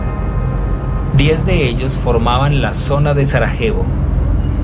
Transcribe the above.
Diez de ellos formaban la zona de Sarajevo.